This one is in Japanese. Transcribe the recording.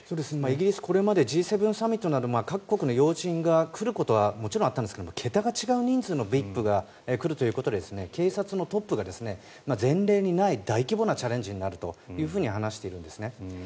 イギリスこれまでＧ７サミットなど各国の要人が来ることはもちろんあったんですが桁が違う人数のＶＩＰが来るということで警察のトップが前例にない大規模なチャレンジになると話しているんですね。